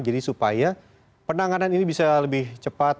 jadi supaya penanganan ini bisa lebih cepat